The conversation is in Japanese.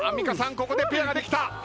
ここでペアができた。